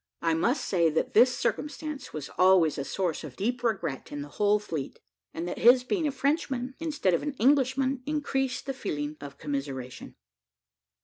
I must say, that this circumstance was always a source of deep regret in the whole fleet, and that his being a Frenchman, instead of an Englishman, increased the feeling of commiseration.